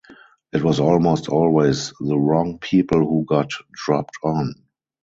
It was almost always the wrong people who got dropped on.